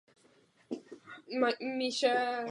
K otázce civilního letectví.